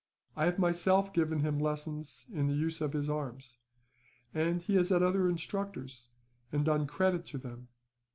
I have myself given him lessons in the use of his arms; and he has had other instructors, and done credit to them.